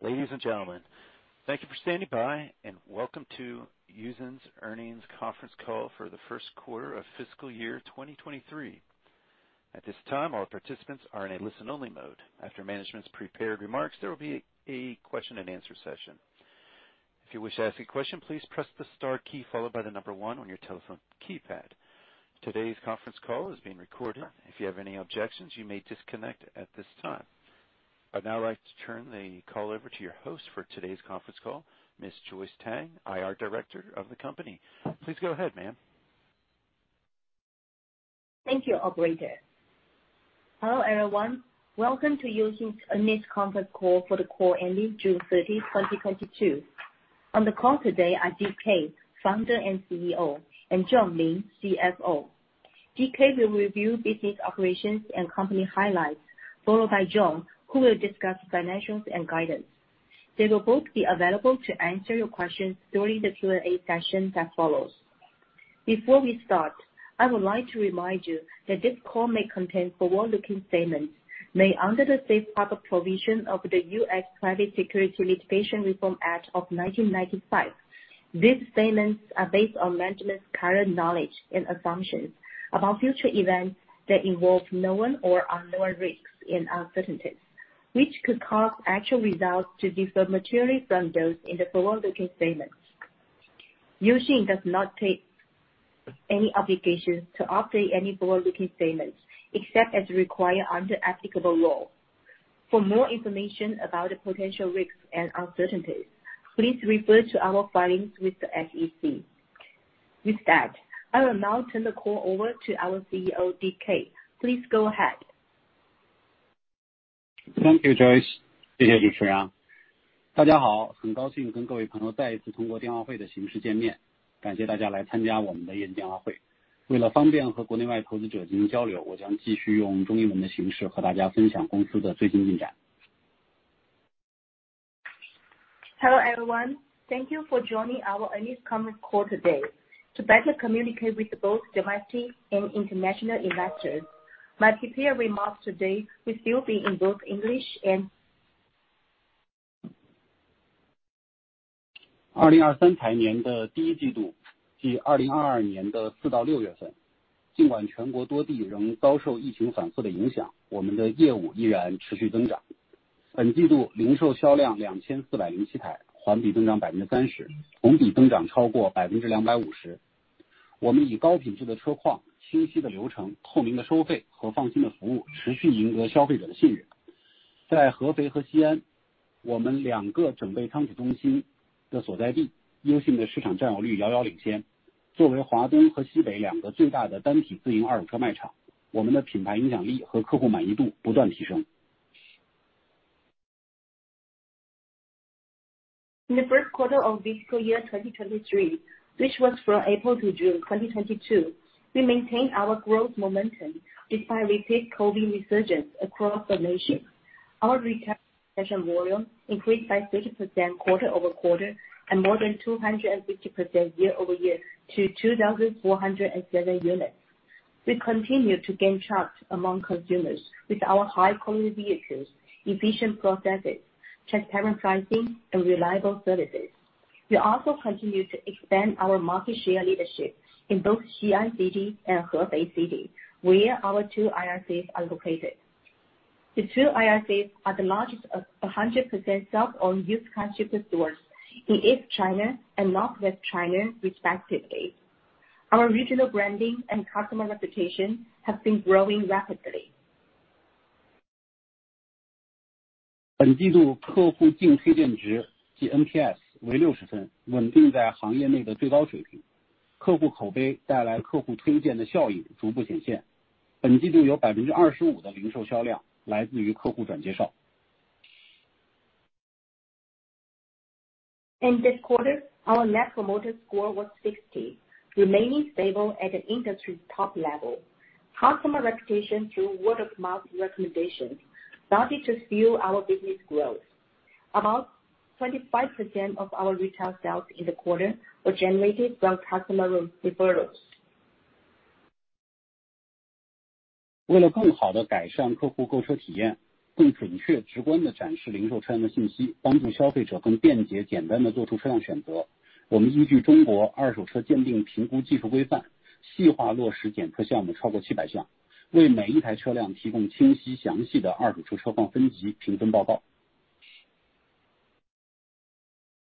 Ladies and gentlemen, thank you for standing by and welcome to Uxin's Earnings Conference Call for the first quarter of fiscal year 2023. At this time, all participants are in a listen-only mode. After management's prepared remarks, there will be a question-and-answer session. If you wish to ask a question, please press the star key followed by the number 1 on your telephone keypad. Today's conference call is being recorded. If you have any objections, you may disconnect at this time. I'd now like to turn the call over to your host for today's conference call, Ms. Joyce Tang, IR Director of the company. Please go ahead, ma'am. Thank you, Operator. Hello, everyone. Welcome to Uxin's Earnings Conference Call for the quarter ending June 30, 2022. On the call today are DK, founder and CEO, and Feng Lin, CFO. DK will review business operations and company highlights, followed by John, who will discuss financials and guidance. They will both be available to answer your questions during the Q&A session that follows. Before we start, I would like to remind you that this call may contain forward-looking statements made under the safe harbor provision of the US Private Securities Litigation Reform Act of 1995. These statements are based on management's current knowledge and assumptions about future events that involve known or unknown risks and uncertainties, which could cause actual results to differ materially from those in the forward-looking statements. Uxin does not take any obligations to update any forward-looking statements except as required under applicable law. For more information about the potential risks and uncertainties, please refer to our filings with the SEC. With that, I will now turn the call over to our CEO, Kun Dai. Please go ahead. Thank you, Joyce. Hello, everyone. Thank you for joining our earnings conference call today. To better communicate with both domestic and international investors, my prepared remarks today will still be in both English. In the first quarter of fiscal year 2023, which was from April to June 2022, we maintained our growth momentum despite repeat COVID resurgence across the nation. Our retail sales volume increased by 30% quarter-over-quarter and more than 250% year-over-year to 2,407 units. We continue to gain trust among consumers with our high-quality vehicles, efficient processes, transparent pricing, and reliable services. We also continue to expand our market share leadership in both Xi'an City and Hefei City, where our two IRCs are located. The two IRCs are the largest 100% self-owned used car dealership stores in East China and Northwest China respectively. Our regional branding and customer reputation have been growing rapidly. In this quarter, our Net Promoter Score was 60, remaining stable at an industry top level. Customer reputation through word-of-mouth recommendations started to fuel our business growth. About 25% of our retail sales in the quarter were generated from customer referrals.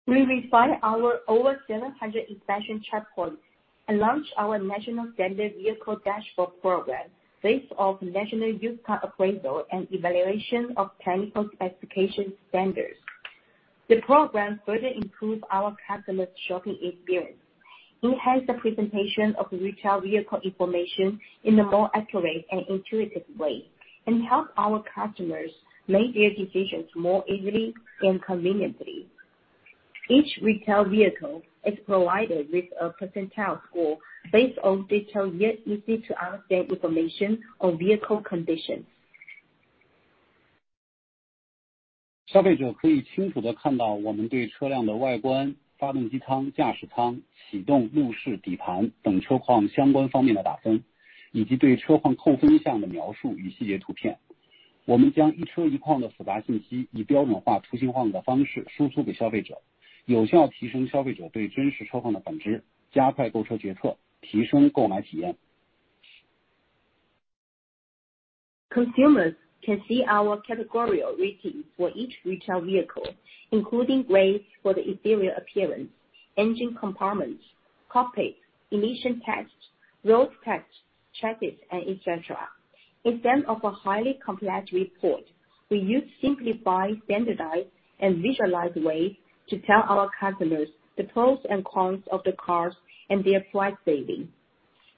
We refined our over 700 inspection checkpoints and launched our National Standard Vehicle Dashboard program based on national used car appraisal and evaluation standards. The program further improves our customers' shopping experience. It has the presentation of retail vehicle information in a more accurate and intuitive way, and helps our customers make their decisions more easily and conveniently. Each retail vehicle is provided with a percentile score based on detailed, yet easy-to-understand information on vehicle conditions. 我们将一车一况的复杂信息以标准化、图形化的方式输出给消费者，有效提升消费者对真实车况的感知，加快购车决策，提升购买体验。Consumers can see our categorical ratings for each retail vehicle, including grades for the exterior appearance, engine compartments, cockpit, emission tests, road tests, chassis and et cetera. Instead of a highly complex report, we use simplified, standardized, and visualized ways to tell our customers the pros and cons of the cars and their price savings.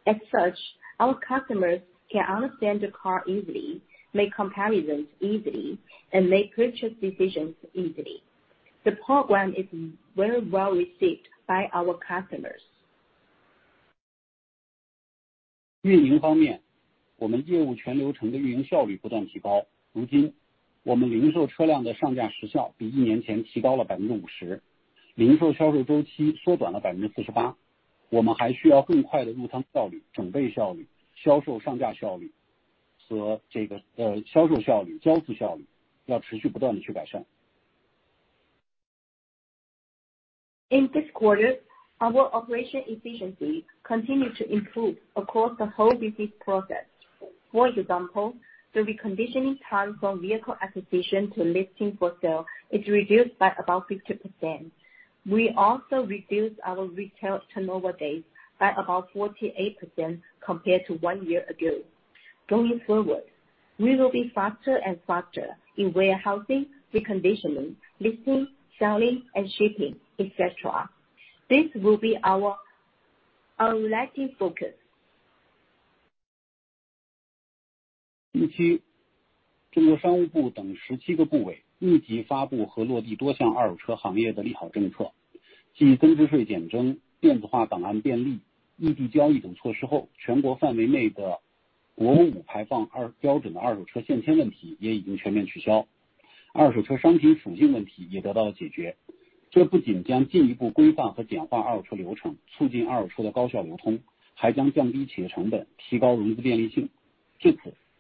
As such, our customers can understand the car easily, make comparisons easily, and make purchase decisions easily. The program is very well received by our customers. 运营方面，我们业务全流程的运营效率不断提高。如今我们零售车辆的上架时效比一年前提高了50%，零售销售周期缩短了48%。我们还需要更快的入仓效率、准备效率、销售上架效率和销售效率，交付效率要持续不断地去改善。In this quarter, our operation efficiency continued to improve across the whole business process. For example, the reconditioning time from vehicle acquisition to listing for sale is reduced by about 50%. We also reduced our retail turnover days by about 48% compared to one year ago. Going forward, we will be faster and faster in warehousing, reconditioning, listing, selling and shipping, et cetera. This will be our relative focus.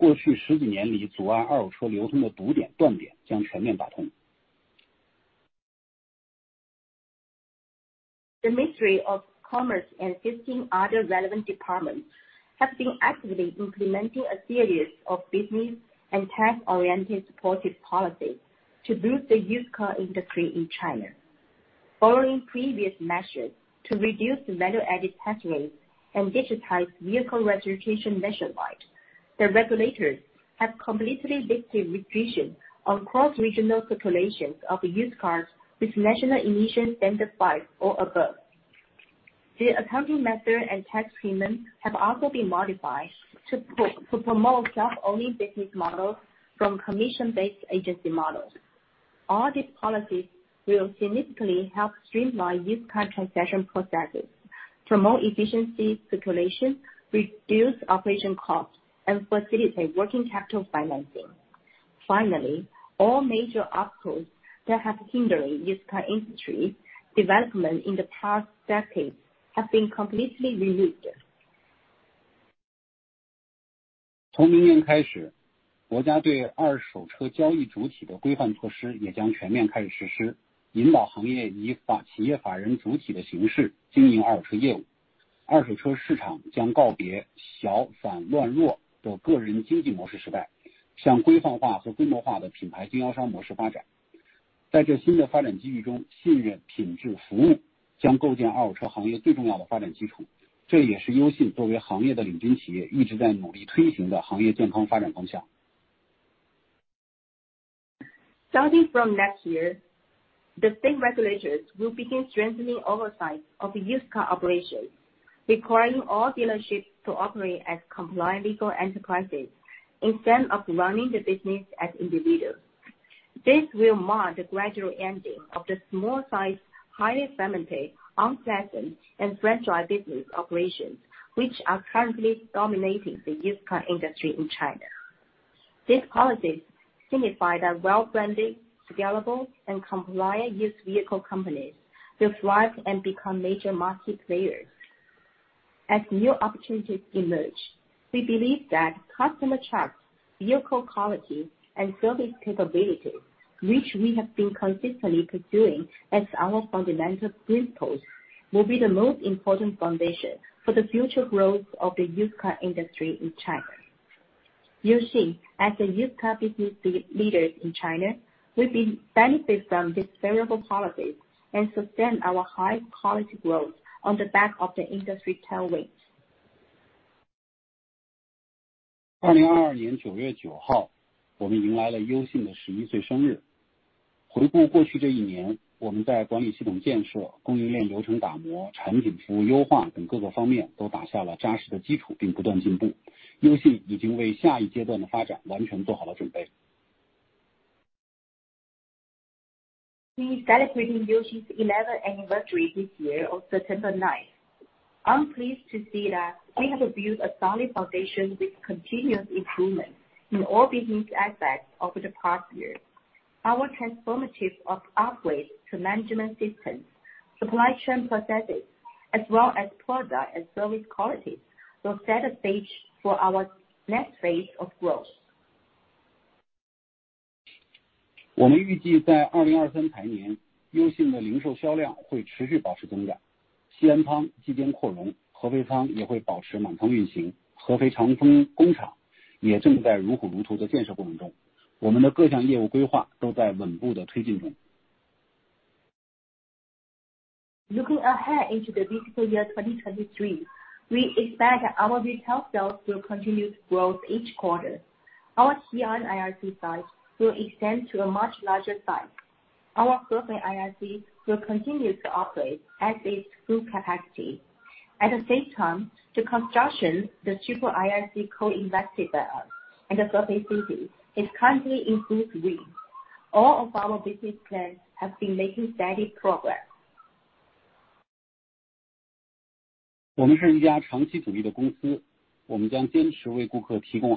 The Ministry of Commerce and 15 other relevant departments have been actively implementing a series of business and tax-oriented supportive policies to boost the used car industry in China. Following previous measures to reduce the value-added tax rates and digitize vehicle registration nationwide, the regulators have completely lifted restrictions on cross-regional circulation of used cars with National V emission standard or above. The accounting method and tax treatments have also been modified to promote self-owning business models from commission-based agency models. All these policies will significantly help streamline used car transaction processes, promote efficient circulation, reduce operation costs, and facilitate working capital financing. Finally, all major obstacles that have been hindering used car industry development in the past decades have been completely removed. 从明年开始，国家对二手车交易主体的规范措施也将全面开始实施，引导行业以法企业法人主体的形式经营二手车业务。二手车市场将告别小、散、乱、弱的个人经济模式时代，向规范化和规模化的品牌经销商模式发展。在这新的发展机遇中，信任、品质、服务将构建二手车行业最重要的发展基础，这也是优信作为行业的领军企业一直在努力推行的行业健康发展方向。Starting from next year, the state regulators will begin strengthening oversight of used car operations, requiring all dealerships to operate as compliant legal enterprises instead of running the business as individuals. This will mark the gradual ending of the small sized, highly fragmented, unlicensed and franchise business operations, which are currently dominating the used car industry in China. These policies signify that well-branded, scalable and compliant used vehicle companies will thrive and become major market players. As new opportunities emerge, we believe that customer trust, vehicle quality and service capabilities, which we have been consistently pursuing as our fundamental principles, will be the most important foundation for the future growth of the used car industry in China. Uxin as a used car business leaders in China, will benefit from this favorable policies and sustain our high quality growth on the back of the industry tailwinds. 2022年9月9号，我们迎来了优信的十一岁生日。回顾过去这一年，我们在管理系统建设、供应链流程打磨、产品服务优化等各个方面都打下了扎实的基础，并不断进步。优信已经为下一阶段的发展完全做好了准备。We celebrated Uxin's 11th anniversary this year on September 9th. I'm pleased to see that we have built a solid foundation with continuous improvement in all business aspects over the past years. Our transformative upgrades to management systems, supply chain processes, as well as product and service quality, will set the stage for our next phase of growth. 我们预计在2023财年，优信的零售销量会持续保持增长。西安仓即便扩容，合肥仓也会保持满仓运行。合肥长丰工厂也正在如火如荼的建设过程中。我们的各项业务规划都在稳步地推进中。Looking ahead into the fiscal year 2023, we expect our retail sales will continue to grow each quarter. Our Xi'an IRC site will extend to a much larger size. Our Hefei IRC will continue to operate at its full capacity. At the same time, the construction of the Hefei IRC co-invested by us and the Hefei City is currently in full swing. All of our business plans have been making steady progress. 我们是一家长期主义的公司，我们将坚持为顾客提供好品质的车辆，创造好的体验和提供满意的服务，坚持以口碑推动高质量的增长，为股东带来长期的回报。好，我的发言到这里，那下面有请我们的CFO John，谢谢。Our sights are set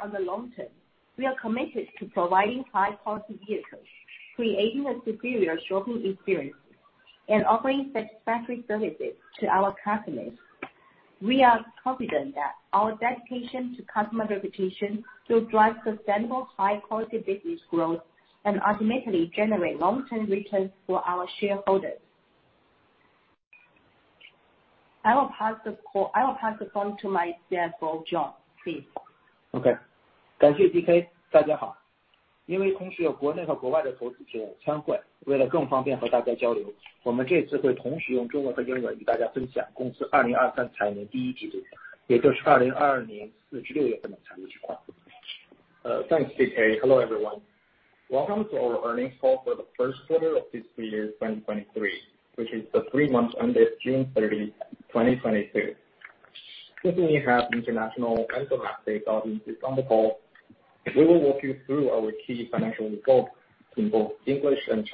on the long term. We are committed to providing high-quality vehicles, creating a superior shopping experience, and offering satisfactory services to our customers. We are confident that our dedication to customer reputation will drive sustainable, high quality business growth and ultimately generate long-term returns for our shareholders. I will pass the call to my CFO, Feng Lin, please. 感谢DK。大家好，因为同时有国内和国外的投资者参会，为了更方便和大家交流，我们这次会同时用中文和英文与大家分享公司二零二三财年第一季度的业绩，也就是二零二二年四至六月份的财务情况。Thanks, DK. Hello, everyone. Welcome to our earnings call for the first quarter of fiscal year 2023, which is the three months ended June 30, 2022. Since we have international and domestic audiences on the call, we will walk you through our key financial results in both English and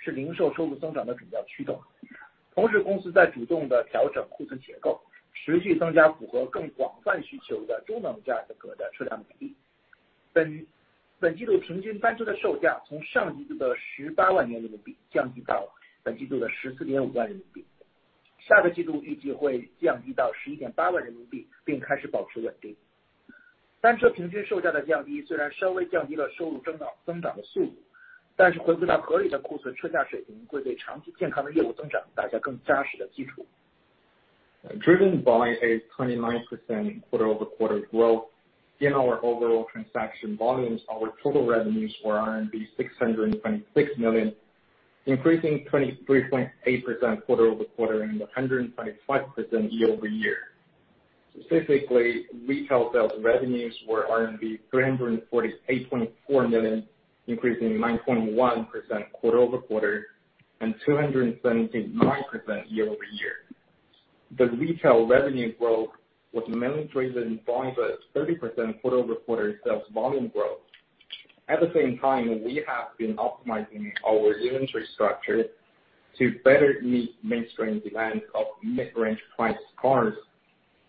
Chinese。受益于本季度总销量环比增加29%，本季度总收入为6.26亿人民币，环比增加23.8%，同比增长125%。其中零售收入3.48亿人民币，环比增长9%，同比增长279%。本季度零售销量环比增长30%，是零售收入增长的主要驱动。同时，公司在主动地调整库存结构，持续增加符合更广泛需求的中等价格的车辆比例。本季度平均单车的售价从上一季度的18万元人民币降低到本季度的14.5万人民币。下个季度预计会降低到11.8万人民币，并开始保持稳定。单车平均售价的降低虽然稍微降低了收入增长的速度，但是回归到合理的库存车价水平，会对长期健康的业务增长打下更扎实的基础。Driven by a 29% quarter-over-quarter growth in our overall transaction volumes, our total revenues were RMB 626 million, increasing 23.8% quarter-over-quarter and 125% year-over-year. Specifically, retail sales revenues were RMB 348.4 million, increasing 9.1% quarter-over-quarter and 279% year-over-year. The retail revenue growth was mainly driven by the 30% quarter-over-quarter sales volume growth. At the same time, we have been optimizing our inventory structure to better meet mainstream demand of mid-range priced cars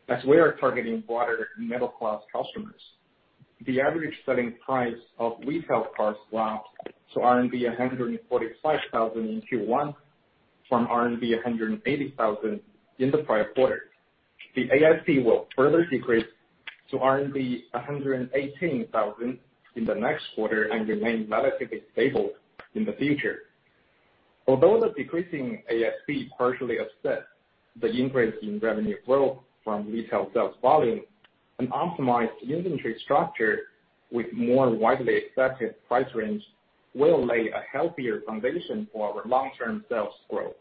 as we are targeting broader middle-class customers. The average selling price of retail cars dropped to RMB 145,000 in Q1 from RMB 180,000 in the prior quarter. The ASP will further decrease to RMB 118 thousand in the next quarter and remain relatively stable in the future. Although the decreasing ASP partially offset the increase in revenue growth from retail sales volume, an optimized inventory structure with more widely accepted price range will lay a healthier foundation for our long-term sales growth.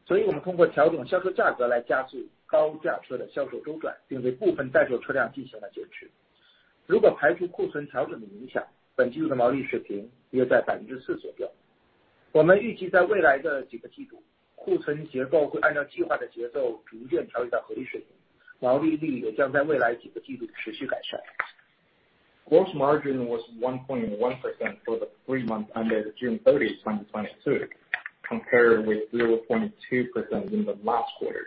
本季度的毛利水平为1.1%，较上一季度的0.2%开始回升。刚才我们提到公司库存结构调整的方向是增加主流中等价格车辆的比例，所以我们通过调整销售价格来加速高价车的销售周转，并对部分待售车辆进行了减持。如果排除库存调整的影响，本季度的毛利水平约在4%左右。我们预计在未来的几个季度，库存结构会按照计划的节奏逐渐调至到合理水平，毛利率也将在未来几个季度持续改善。Gross margin was 1.1% for the three months ended June 30, 2022, compared with 0.2% in the last quarter.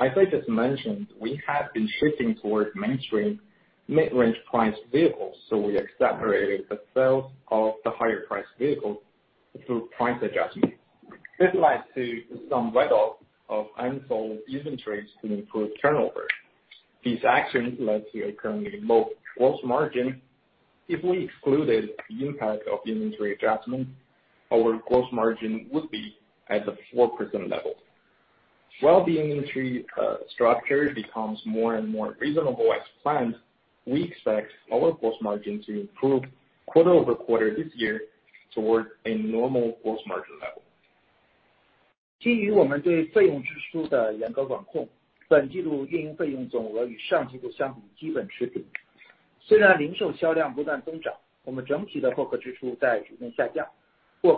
As I just mentioned, we have been shifting towards mainstream mid-range priced vehicles, so we accelerated the sales of the higher priced vehicles through price adjustments. This led to some write-off of unsold inventories to improve turnover. These actions led to a currently low gross margin. If we excluded the impact of inventory adjustment, our gross margin would be at the 4% level. While the industry structure becomes more and more reasonable as planned, we expect our gross margin to improve quarter-over-quarter this year towards a normal gross margin level. We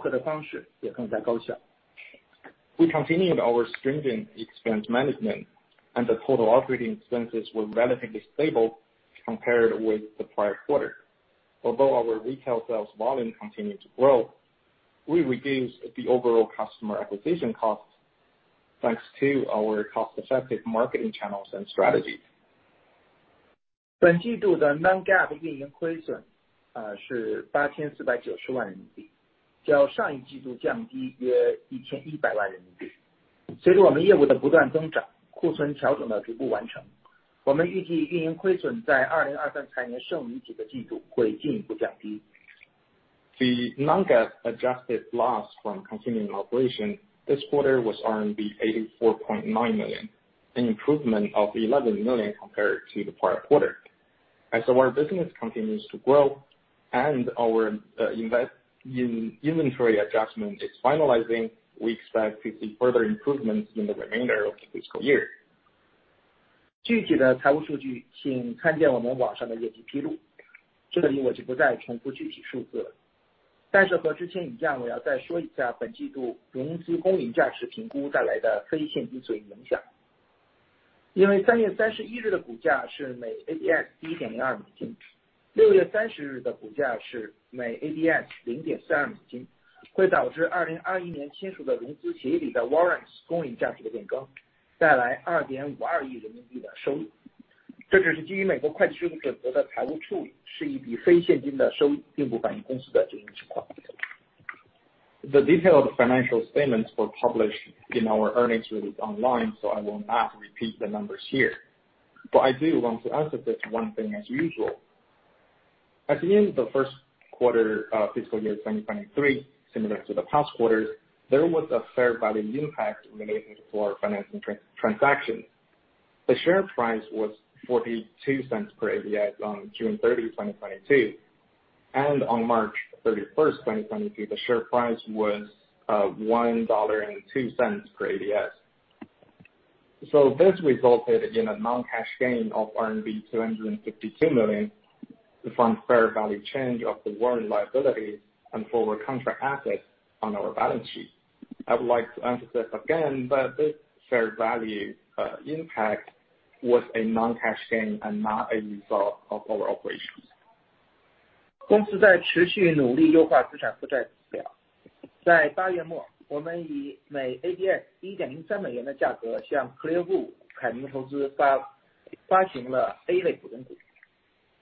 continued our stringent expense management and the total operating expenses were relatively stable compared with the prior quarter. Although our retail sales volume continued to grow, we reduced the overall customer acquisition costs, thanks to our cost-effective marketing channels and strategies. The non-GAAP adjusted loss from continuing operation this quarter was RMB 84.9 million, an improvement of 11 million compared to the prior quarter. As our business continues to grow and our inventory adjustment is finalizing, we expect to see further improvements in the remainder of the fiscal year. The detailed financial statements were published in our earnings release online, so I will not repeat the numbers here. I do want to emphasize one thing as usual. At the end of the first quarter, fiscal year 2023, similar to the past quarters, there was a fair value impact related to our financing transaction. The share price was $0.42 per ADS on June 30th, 2022, and on March 31st, 2022, the share price was $1.02 per ADS. This resulted in a non-cash gain of RMB 252 million from fair value change of the warrant liability and for our contract assets on our balance sheet. I would like to emphasize again that this fair value impact was a non-cash gain and not a result of our operations.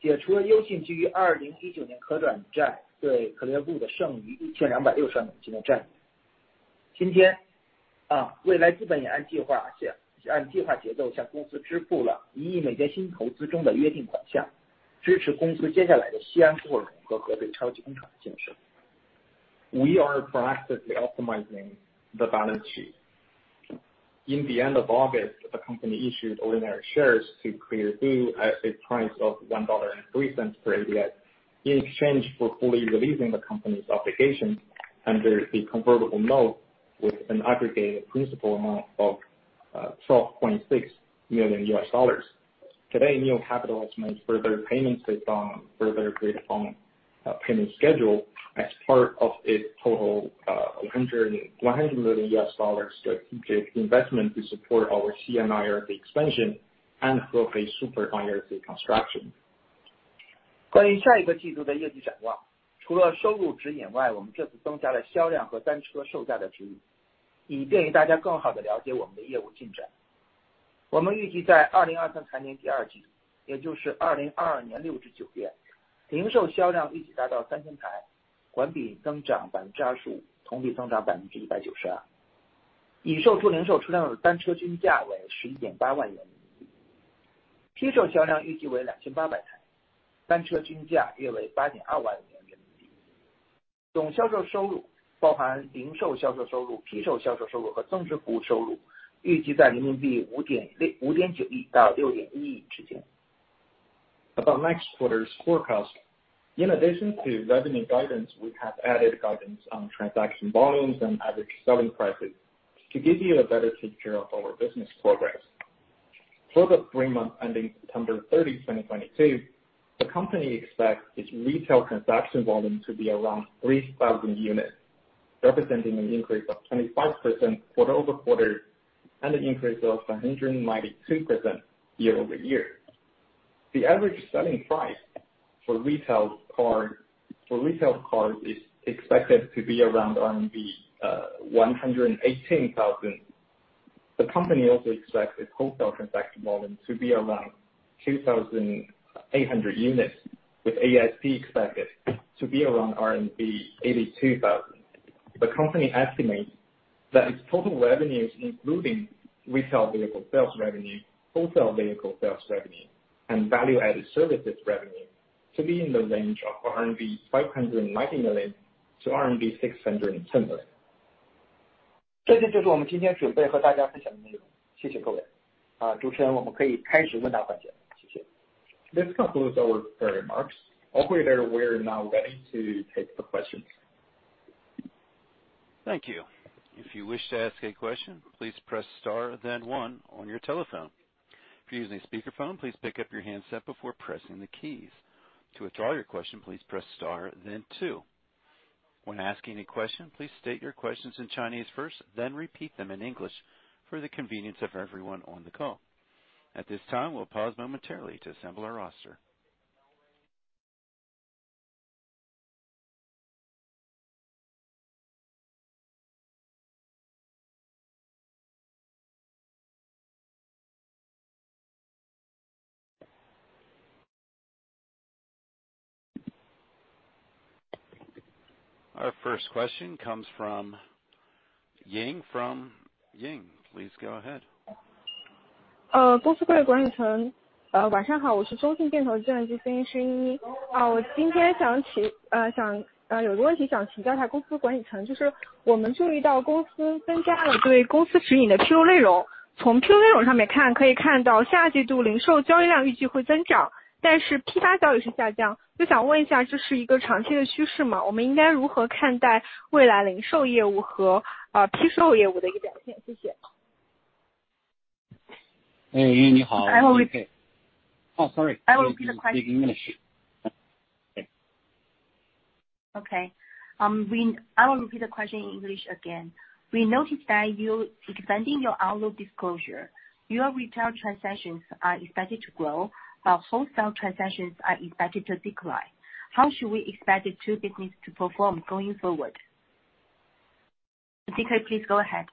We are proactively optimizing the balance sheet. In the end of August, the company issued ordinary shares to ClearVue at a price of $1.03 per ADS, in exchange for fully releasing the company's obligations under the convertible note with an aggregate principal amount of $12.6 million. Today, NIO Capital has made further payments based on a payment schedule as part of its total $100 million investment to support our Xi'an IRC expansion and Hefei Super IRC construction. About next quarter's forecast. In addition to revenue guidance, we have added guidance on transaction volumes and average selling prices to give you a better picture of our business progress. For the three months ending September 30, 2022, the company expects its retail transaction volume to be around 3,000 units, representing an increase of 25% quarter-over-quarter and an increase of 192% year-over-year. The average selling price for retail cars is expected to be around RMB 118,000. The company also expects its wholesale transaction volume to be around 2,800 units, with ASP expected to be around RMB 82,000. The company estimates that its total revenues, including retail vehicle sales revenue, wholesale vehicle sales revenue, and value-added services revenue to be in the range of 590-610 million RMB. This concludes our prepared remarks. Operator, we're now ready to take the questions. Thank you. If you wish to ask a question, please press star then one on your telephone. If you're using a speakerphone, please pick up your handset before pressing the keys. To withdraw your question, please press star then two. When asking a question, please state your questions in Chinese first, then repeat them in English, for the convenience of everyone on the call. At this time, we'll pause momentarily to assemble our roster. Our first question comes from Ying. From Ying, please go ahead. Okay. I will repeat the question in English again. We noticed that you're expanding your outlook disclosure. Your retail transactions are expected to grow, but wholesale transactions are expected to decline. How should we expect the two business to perform going forward? DK, please go ahead.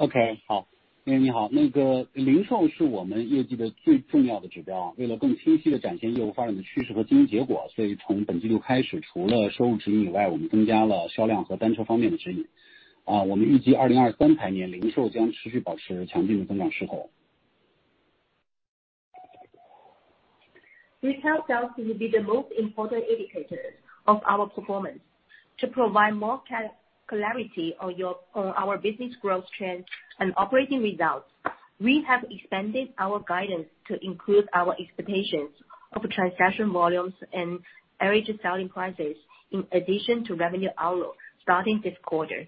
Okay. Retail sales will be the most important indicators of our performance. To provide more clarity on our business growth trends and operating results, we have expanded our guidance to include our expectations of transaction volumes and average selling prices in addition to revenue outlook starting this quarter.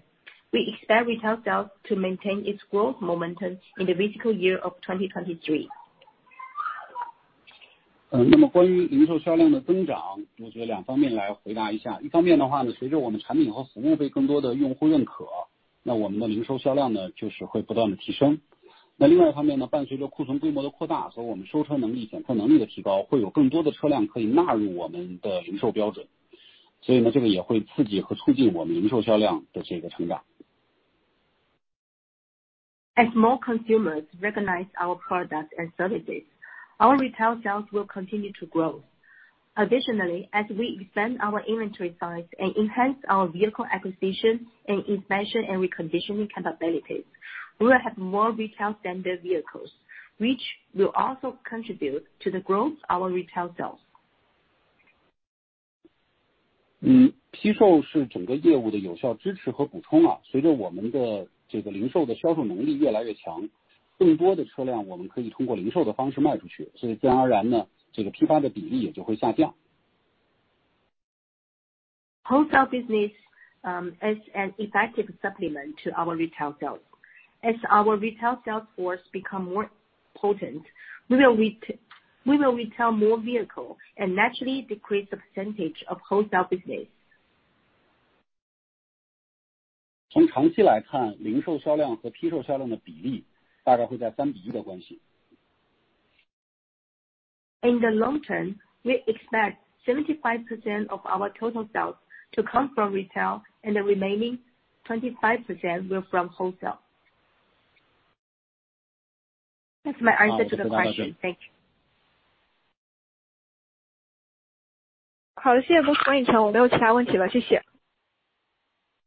We expect retail sales to maintain its growth momentum in the fiscal year of 2023. As more consumers recognize our products and services, our retail sales will continue to grow. Additionally, as we expand our inventory size and enhance our vehicle acquisition and inspection and reconditioning capabilities, we will have more retail standard vehicles, which will also contribute to the growth of our retail sales. Wholesale business is an effective supplement to our retail sales. As our retail sales force become more potent, we will retail more vehicle and naturally decrease the percentage of wholesale business. In the long term, we expect 75% of our total sales to come from retail, and the remaining 25% will come from wholesale. That's my answer to the question. Thank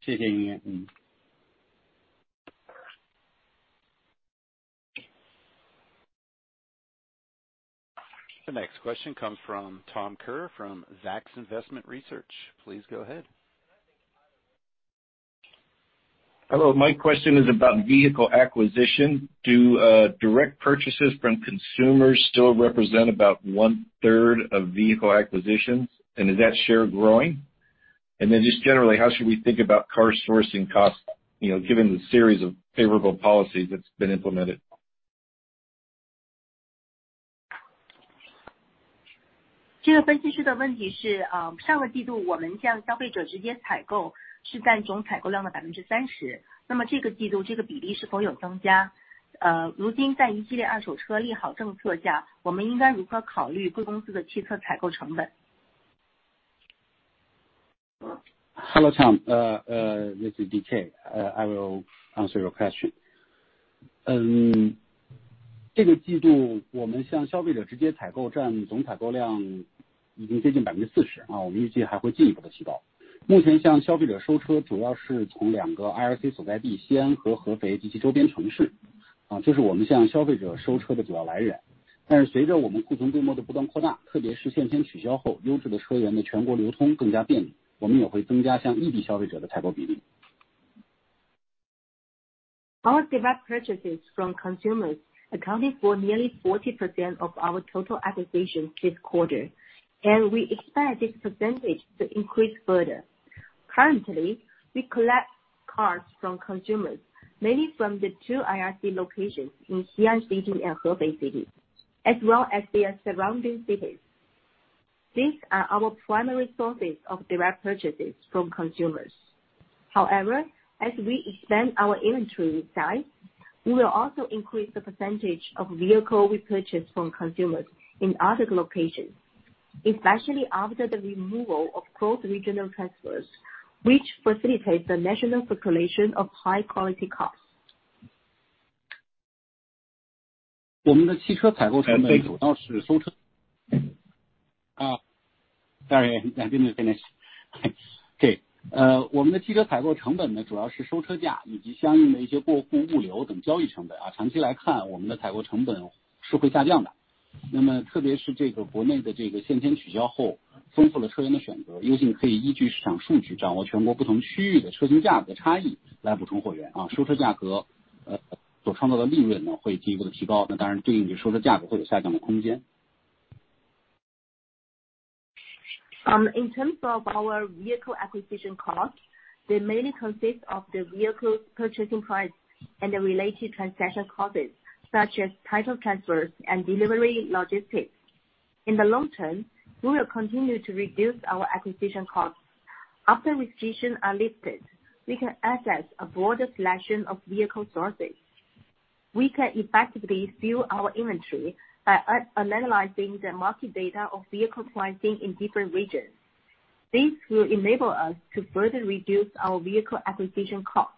you. The next question comes from Tom Kerr from Zacks Investment Research. Please go ahead. Hello. My question is about vehicle acquisition. Do direct purchases from consumers still represent about 1/3 of vehicle acquisitions? And is that share growing? And then just generally, how should we think about car sourcing costs, you know, given the series of favorable policies that's been implemented? Hello, Tom. This is DK. 嗯，这个季度我们向消费者直接采购占总采购量已经接近40%，我们预计还会进一步的提高。目前向消费者收车主要是从两个IRC所在地，西安和合肥及其周边城市，就是我们向消费者收车的主要来源。但是随着我们库存规模的不断扩大，特别是县间取消后，优质的车源的全国流通更加便利，我们也会增加向异地消费者的采购比例。Our direct purchases from consumers accounted for nearly 40% of our total acquisitions this quarter, and we expect this percentage to increase further. Currently, we collect cars from consumers, mainly from the two IRC locations in Xi'an City and Hefei City, as well as their surrounding cities. These are our primary sources of direct purchases from consumers. However, as we expand our inventory size, we will also increase the percentage of vehicle we purchase from consumers in other locations, especially after the removal of cross-regional transfers, which facilitates the national circulation of high quality cars. 我们的汽车采购成本主要是收车. In terms of our vehicle acquisition costs, they mainly consist of the vehicle purchasing price and the related transaction costs, such as title transfers and delivery logistics. In the long term, we will continue to reduce our acquisition costs. After restrictions are lifted, we can access a broader selection of vehicle sources. We can effectively fill our inventory by analyzing the market data of vehicle pricing in different regions. This will enable us to further reduce our vehicle acquisition costs.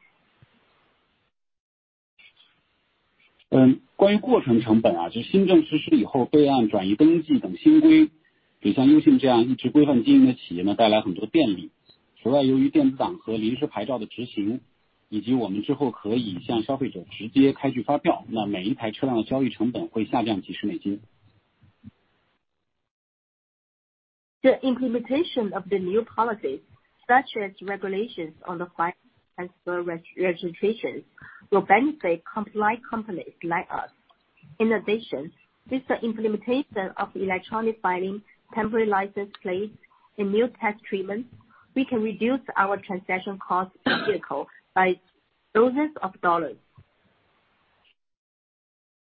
关于过户成本，就是新政实施以后，备案转移登记等新规，给像优信这样一直规范经营的企业带来很多便利。此外，由于电子档和临时牌照的执行，以及我们之后可以向消费者直接开具发票，那每一台车辆的交易成本会下降几十美金。The implementation of the new policies, such as regulations on the title transfer re-registration, will benefit online companies like us. In addition, with the implementation of electronic filing, temporary license plates, and new tax treatments, we can reduce our transaction costs per vehicle by thousands of dollars.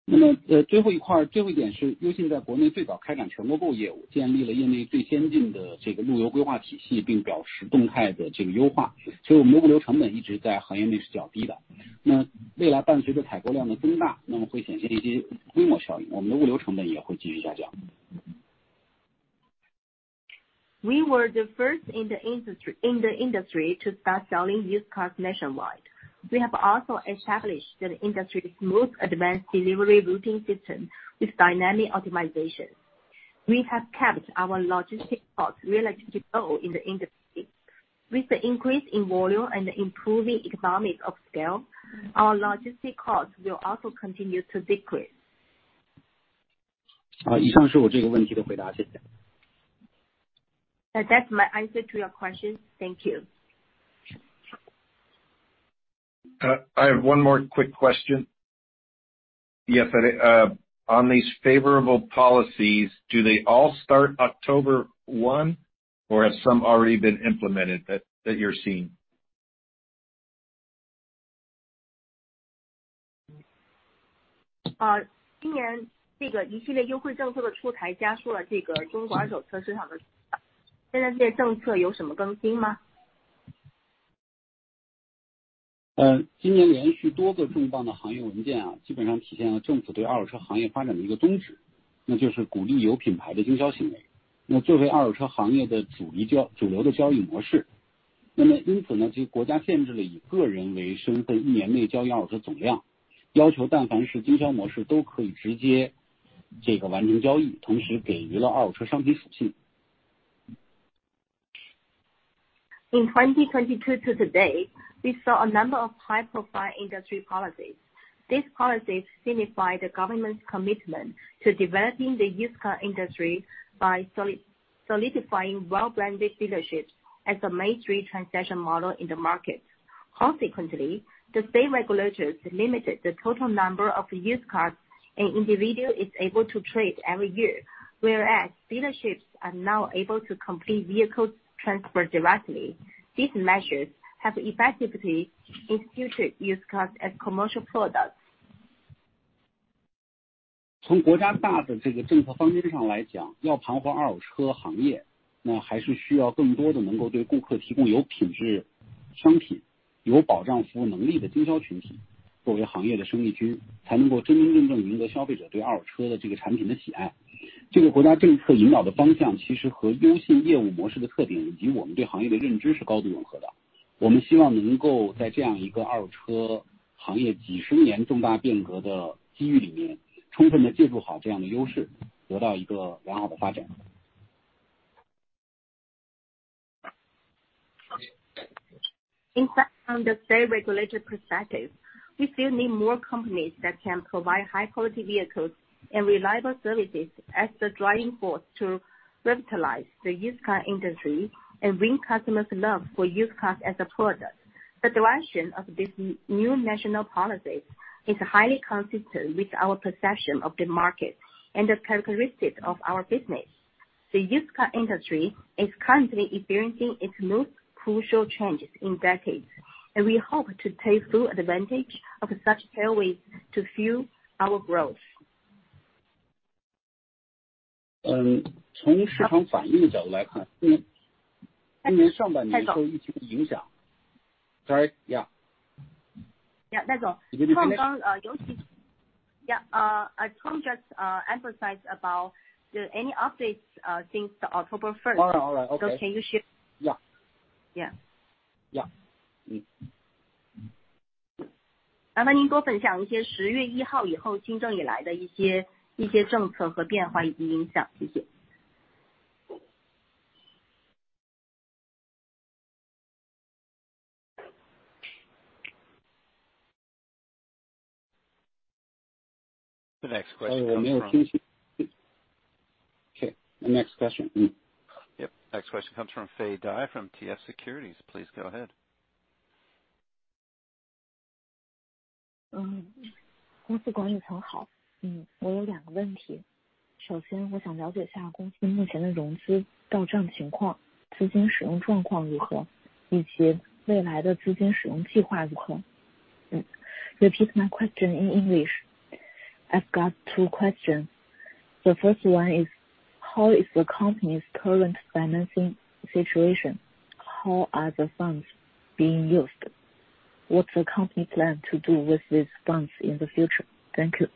那么最后一块，最后一点是优信在国内最早开展全国购业务，建立了业内最先进的这个物流规划体系，并表示动态的这个优化，所以我们的物流成本一直在行业内是较低的。那未来伴随着采购量的增大，那么会显现一些规模效应，我们的物流成本也会继续下降。We were the first in the industry to start selling used cars nationwide. We have also established an industry's most advanced delivery routing system with dynamic optimization. We have kept our logistics costs relatively low in the industry. With the increase in volume and improving economics of scale, our logistics costs will also continue to decrease. 好，以上是我这个问题的回答。谢谢。That's my answer to your question. Thank you. I have one more quick question. Yes, on these favorable policies, do they all start October 1, or have some already been implemented that you're seeing? 今年这一系列优惠政策的出台，加速了中国二手车市场的发展。现在这些政策有什么更新吗？ In 2022 to today, we saw a number of high-profile industry policies. These policies signify the government's commitment to developing the used car industry by solidifying well-branded dealerships as the mainstream transaction model in the market. Consequently, the same regulators limited the total number of used cars an individual is able to trade every year, whereas dealerships are now able to complete vehicle transfers directly. These measures have effectively instituted used cars as commercial products. 从国家大的这个政策方针上来讲，要盘活二手车行业，那还是需要更多的能够对顾客提供有品质商品、有保障服务能力的经销群体，作为行业的生力军，才能够真真正正赢得消费者对二手车的这个产品的喜爱。这个国家政策引导的方向，其实和优信业务模式的特点，以及我们对行业的认知是高度融合的。我们希望能够在这样一个二手车行业几十年重大变革的机遇里面，充分地借助好这样的优势，得到一个良好的发展。In fact, from the state regulated perspective, we still need more companies that can provide high quality vehicles and reliable services as the driving force to revitalize the used car industry and win customers love for used cars as a product. The direction of this new national policy is highly consistent with our perception of the market and the characteristics of our business. The used car industry is currently experiencing its most crucial changes in decades, and we hope to take full advantage of such tailwinds to fuel our growth. 从市场反应的角度来看，今年上半年受疫情影响。戴总。Sorry, yeah. 戴总。Did you finish? Yeah, Tom, just emphasize about any updates since October 1st. All right, okay. Can you share? Yeah。Yeah。Yeah。嗯。麻烦您多分享一些十月一号以后新政以来的一些政策和变化以及影响，谢谢。The next question comes from. Okay, the next question. Yep. Next question comes from Fei Dai from TF Securities. Please go ahead. 公司管理层好。我有两个问题。首先我想了解一下公司目前的融资到账情况，资金使用状况如何，以及未来的资金使用计划如何？Repeat my question in English. I've got two questions. The first one is how is the company's current financing situation? How are the funds being used? What's the company plan to do with these funds in the future? Thank you.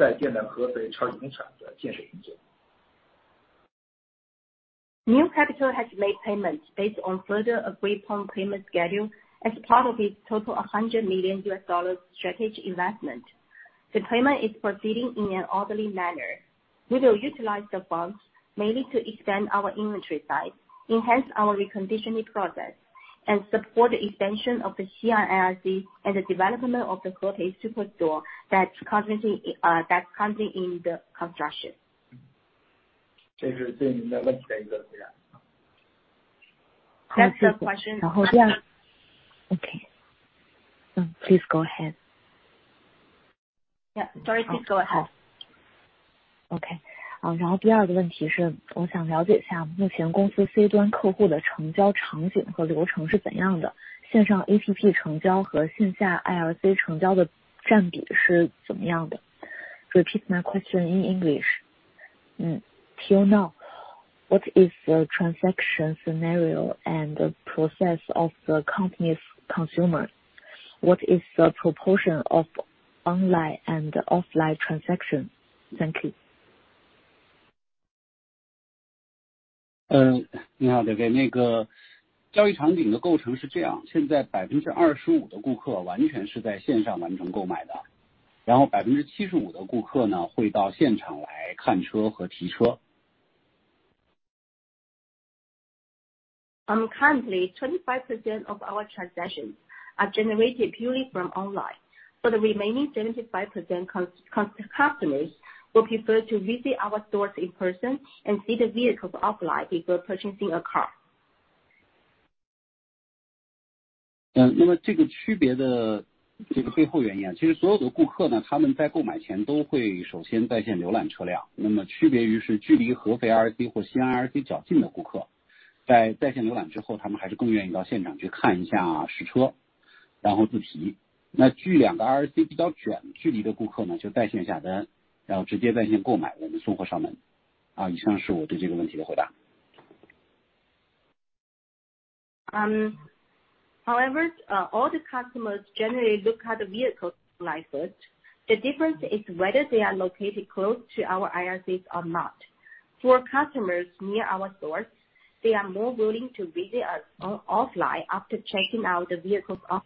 NIO Capital has made payments based on further agreed upon payment schedule as part of its total $100 million strategic investment. The payment is proceeding in an orderly manner. We will utilize the funds mainly to expand our inventory size, enhance our reconditioning process, and support the expansion of the Xi'an IRC and the development of the superstore that's currently under construction. 这是对你的问题的一个回答。That's the question. Okay. Please go ahead. Yeah. Sorry, please go ahead. 好。OK，好，然后第二个问题是，我想了解一下目前公司C端客户的成交场景和流程是怎样的，线上APP成交和线下IRC成交的占比是怎么样的？ Repeat my question in English. Till now, what is the transaction scenario and the process of the company's consumers? What is the proportion of online and offline transaction? Thank you. 那个交易场景的构成是这样，现在25%的顾客完全是在线上完成购买的，然后75%的顾客呢，会到现场来看车和提车。Currently 25% of our transactions are generated purely from online. For the remaining 75% customers will prefer to visit our stores in person and see the vehicles offline before purchasing a car. 那么这个区别的背后原因，其实所有的顾客呢，他们在购买前都会首先在线浏览车辆。那么区别于是距离合肥IRC或西安IRC较近的顾客，在线浏览之后，他们还是更愿意到现场去看一下实车，然后自提。那距两个IRC比较远距离的顾客呢，就在线下单，然后直接在线购买，我们送货上门。以上是我对这个问题的回答。However, all the customers generally look at the vehicles first. The difference is whether they are located close to our IRCs or not. For customers near our stores, they are more willing to visit us, offline after checking out the vehicles online.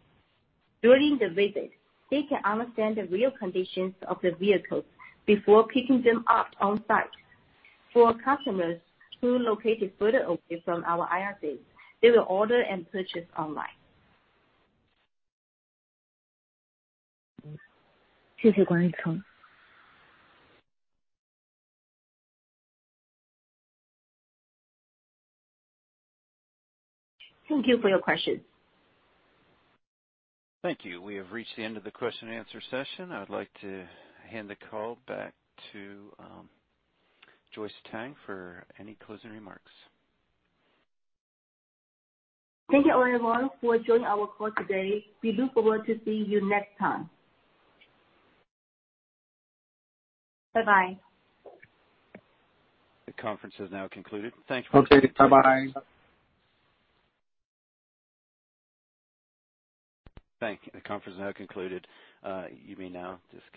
During the visit, they can understand the real conditions of the vehicles before picking them up on site. For customers who located further away from our IRCs, they will order and purchase online. 谢谢管理层。Thank you for your question. Thank you. We have reached the end of the question answer session. I'd like to hand the call back to Joyce Tang for any closing remarks. Thank you everyone for joining our call today. We look forward to see you next time. Bye bye. The conference is now concluded. Thanks. OK, bye bye. Thank you. The conference is now concluded. You may now disconnect.